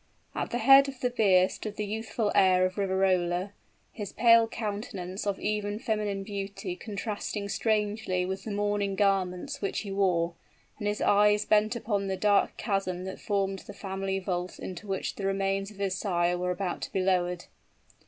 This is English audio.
At the head of the bier stood the youthful heir of Riverola; his pale countenance of even feminine beauty contrasting strangely with the mourning garments which he wore, and his eyes bent upon the dark chasm that formed the family vault into which the remains of his sire were about to be lowered.